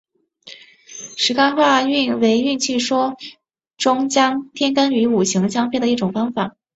十干化运为运气学说中将天干与五行相配的一种方法。